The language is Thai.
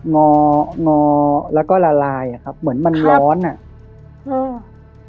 งองอแล้วก็ละลายอ่ะครับเหมือนมันร้อนอ่ะอืม